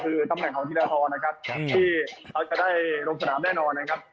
คือตำแหน่งของธีรทรนะครับที่เขาจะได้ลงสนามแน่นอนนะครับ